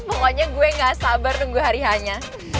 pokoknya gue gak sabar nunggu hari hanya